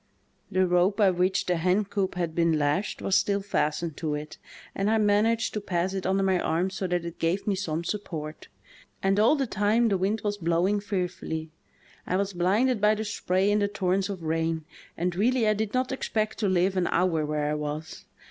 The rope by which the hencoop had been lashed was still fastened to it, and I managed 148 THE TALKING HANDKERCHIEF. to pass it under my arms so that it gave me some support. And all the time the wind was blowing "I CLUNG WITH DESPERATION." fearfully. I was blinded by the spray and the tor rents of rain, and really I did not expect to live an hour where I was.